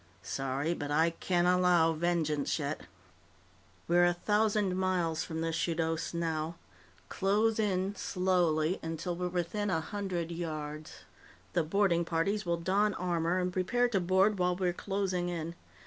Sorry, but I can't allow vengeance yet. "We're a thousand miles from the Shudos now; close in slowly until we're within a hundred yards. The boarding parties will don armor and prepare to board while we're closing in.